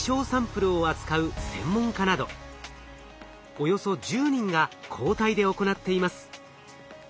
およそ１０人が交代で行っています。